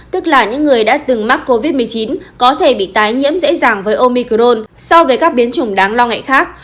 tức là những người đã từng mắc covid một mươi chín có thể bị tái nhiễm dễ dàng với omicrone so với các biến chủng đáng lo ngại khác